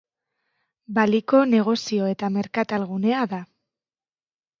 Baliko negozio eta merkatal gunea da.